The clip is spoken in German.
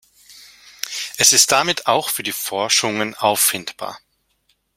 Es ist damit auch für Forschungen auffindbar.